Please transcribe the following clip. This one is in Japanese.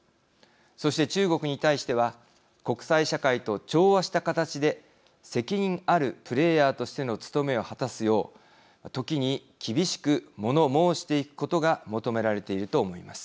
そして、中国に対しては国際社会と調和した形で責任あるプレーヤーとしての務めを果たすよう時に厳しく物申していくことが求められていると思います。